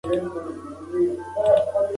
دا د مشکو رباتونه خُتن زما دی